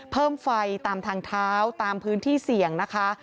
เพิ่มไฟตามทางเท้าตามพื้นที่เสี่ยงนะคะ